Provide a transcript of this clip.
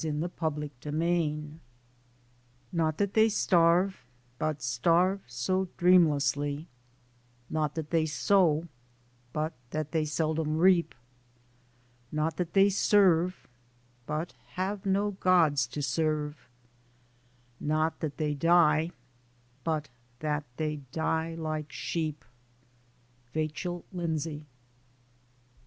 IN THE AMERICAN STORM Not that they starve, but starve so dreamlessly, Not that they sow, but that they seldom reap, Not that they serve, but have no gods to serve, Not that they die, but that they die like sheep. Vachel Lindsay.